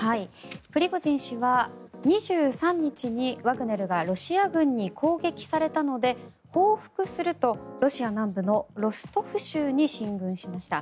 プリゴジン氏は、２３日にワグネルがロシア軍に攻撃されたので、報復するとロシア南部のロストフ州に進軍しました。